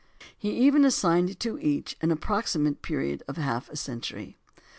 He even assigned to each an approximate period of half a century.